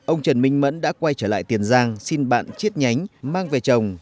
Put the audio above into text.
ông trần minh mẫn đã quay trở lại tiền giang xin bạn chiết nhánh mang về chồng